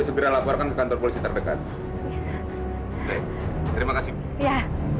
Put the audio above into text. segera laporkan ke kantor polisi terdekat terima kasih ya